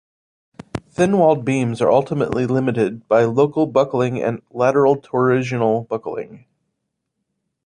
Thin-walled beams are ultimately limited by local buckling and lateral-torsional buckling.